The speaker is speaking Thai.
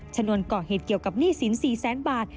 ชนวนก่อเหตุเกี่ยวกับหนี้สิน๔แสนบาท